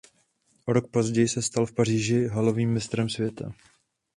O rok později se stal v Paříži halovým mistrem světa.